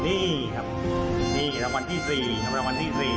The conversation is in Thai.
นี่ครับรางวัลที่สี่ครับ